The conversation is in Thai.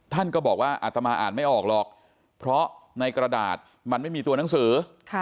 ท่านก็บอกว่าอาตมาอ่านไม่ออกหรอกเพราะในกระดาษมันไม่มีตัวหนังสือ